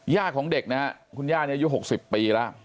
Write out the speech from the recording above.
ของเด็กนะครับคุณย่านี่อายุ๖๐ปีแล้ว